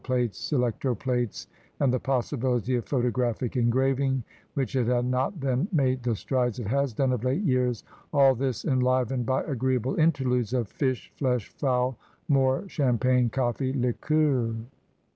plates, electro plates, and the possibility of photo graphic engraving, which had not then made the strides it has done of late years; all this, enlivened by agreeable interludes of fish, flesh, fowl, more champagne, coffee, liqueurs.